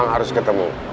kita harus ketemu